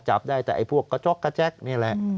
จับได้แต่ไอ้พวกกระจอกกระแจ๊กนี่แหละ